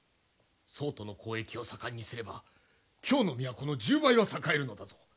宋との交易を盛んにすれば京の都の１０倍は栄えるのだぞ！